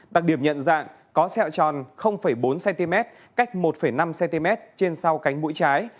đặc điểm nhận dạng có xẹo tròn bốn cm cách một năm cm trên sau cánh mũi trái